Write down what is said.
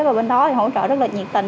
và bên đó hỗ trợ rất là nhiệt tình